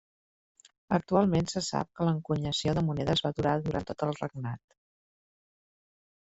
Actualment se sap que l'encunyació de monedes va durar durant tot el regnat.